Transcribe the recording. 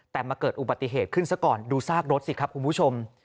แต่มาเกิดอุบัติเหตุขึ้นซะก่อนดูซากรถสิครับคุณผู้ชม